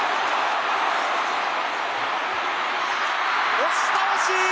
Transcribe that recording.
押し倒し！